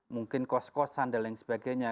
mungkin kos kosan dan lain sebagainya